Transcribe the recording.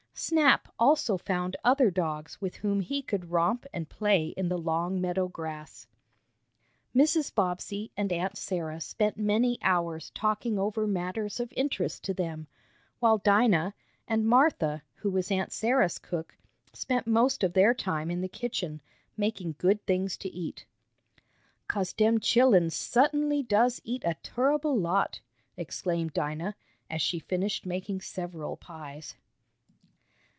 Snap also found other dogs with whom he could romp and play in the long meadow grass. Mrs. Bobbsey and Aunt Sarah spent many hours talking over matters of interest to them, while Dinah, and Martha, who was Aunt Sarah's cook, spent most of their time in the kitchen, making good things to eat. "'Cause dem chilluns suttinly does eat a turrible lot!" exclaimed Dinah, as she finished making several pies.